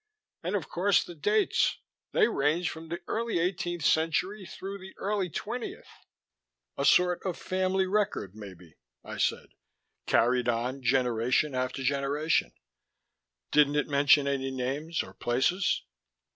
And of course the dates; they range from the early eighteenth century through the early twentieth." "A sort of family record, maybe," I said. "Carried on generation after generation. Didn't it mention any names, or places?"